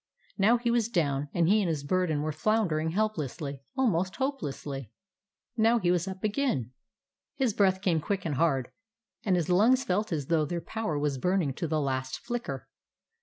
Now he was down, and he and his burden were floundering helplessly, almost hopelessly. Now he was up again. His breath came quick and hard, and his lungs felt as if their power was burning to the last flicker.